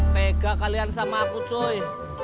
tega kalian sama aku cuy